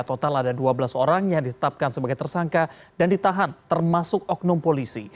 total ada dua belas orang yang ditetapkan sebagai tersangka dan ditahan termasuk oknum polisi